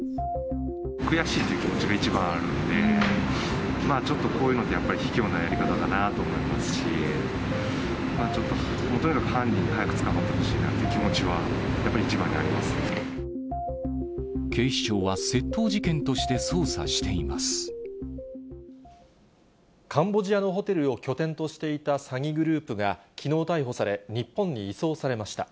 悔しいという気持ちが一番あるんで、ちょっとこういうのって、ひきょうなやり方だなと思いますし、ちょっと、とにかく早く犯人が捕まってほしいなという気持ちが、やっぱり一警視庁は窃盗事件として捜査カンボジアのホテルを拠点としていた詐欺グループが、きのう逮捕され、日本に移送されました。